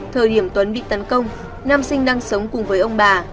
thời điểm tuấn bị tấn công nam sinh đang sống cùng với ông bà